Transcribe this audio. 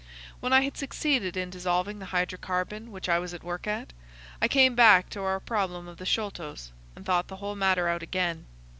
When I had succeeded in dissolving the hydrocarbon which I was at work at, I came back to our problem of the Sholtos, and thought the whole matter out again.